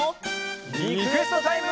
リクエストタイム！